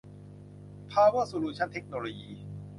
เพาเวอร์ โซลูชั่น เทคโนโลยี